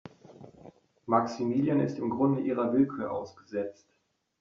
Maximilian ist im Grunde ihrer Willkür ausgesetzt.